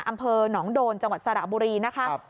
อำเภอหนองโดนจังหวัดสระบุรีนะคะ